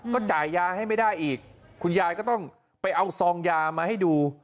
ก็จ่ายยาให้ไม่ได้อีกคุณยายก็ต้องไปเอาซองยามาให้ดู